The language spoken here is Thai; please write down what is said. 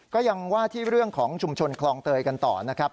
ก็ยังว่าที่เรื่องของชุมชนคลองเตยกันต่อนะครับ